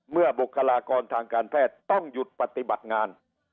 บุคลากรทางการแพทย์ต้องหยุดปฏิบัติงาน